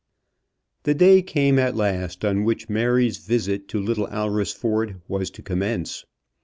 The day came at last on which Mary's visit to Little Alresford was to commence.